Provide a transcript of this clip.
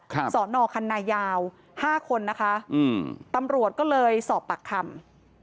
สอนอคันนายาวห้าคนนะคะอืมตำรวจก็เลยสอบปากคำ